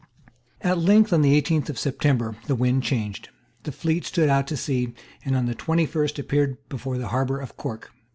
At length, on the eighteenth of September, the wind changed. The fleet stood out to sea, and on the twenty first appeared before the harbour of Cork.